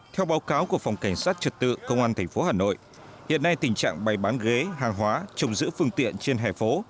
theo báo cáo của phòng cảnh sát trật tự công an tp hà nội hiện nay tình trạng bày bán ghế hàng hóa trồng giữ phương tiện trên hẻ phố